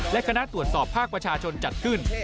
และคณะตรวจสอบภาคประชาชนจัดขึ้น